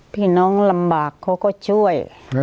พี่น้องลำบากเขาก็ช่วย